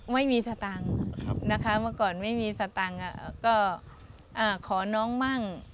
ไม่มีสตังค์นะคะเมื่อก่อนไม่มีสตังค์ก็ขอน้องมั่ง